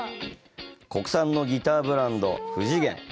国産のギターブランド、フジゲン。